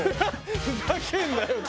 ふざけんなよ！って。